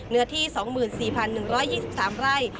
เนื้อที่๒๔๑๒๓ไร่